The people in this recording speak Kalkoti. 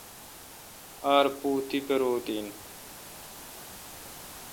آر پُو تی پاروت این۔